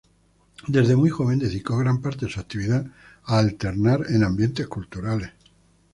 Desde muy joven dedicó gran parte de su actividad a alternar en ambientes culturales.